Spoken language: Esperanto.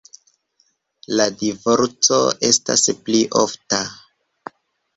La divorco estas pli ofta.